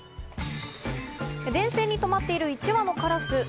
電線に止まっている１羽のカラス。